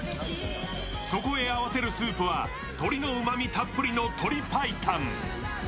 そこへ合わせるスープは鶏のうまみたっぷりの鶏白湯。